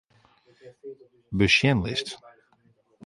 Besjenlist.